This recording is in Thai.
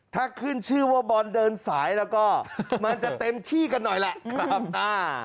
ถ้าขึ้นชื่อว่าบอลเดินสายแล้วก็มันจะเต็มที่กันหน่อยแหละครับอ่า